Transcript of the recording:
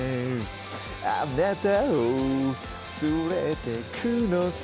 「あなたを連れてくのさ」